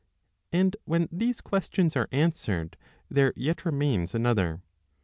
And when these questions are answered, there yet remains another.